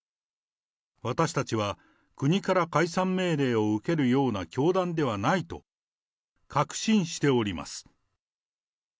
私たちは、国から解散命令を受けるような教団ではないと確信しております。